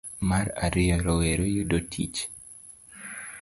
Mar ariyo, rowere yudo tich.